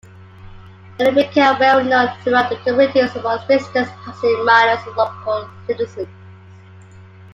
Many became well known throughout the communities, amongst visitors, passing miners and local citizens.